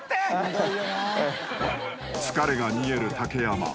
［疲れが見える竹山］